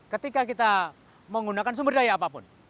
ketika kita menggunakan sumber daya apapun